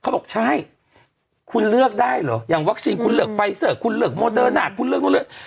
บอกใช่คุณเลือกได้เหรออย่างวัคซีนคุณเลือกไฟเซอร์คุณเลือกโมเดิร์น่าคุณเลือกนู้นเลือก